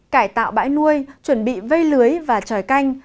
cải tạo bãi nuôi chuẩn bị vây lưới và trời canh